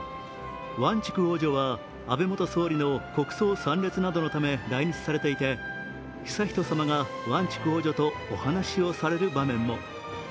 ワンチュク王女は安倍元総理の国葬参列などのため来日されていて悠仁さまがワンチュク王女とお話をされる場面も。